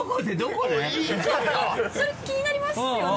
それ気になりますよね？